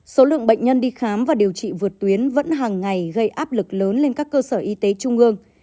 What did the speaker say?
số lượng bệnh nhân đi khám và điều trị vượt tuyến vẫn hàng ngày gây áp lực lớn lên các cơ sở y tế trung ương